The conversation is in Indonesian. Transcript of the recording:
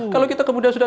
kalau kita kemudian sudah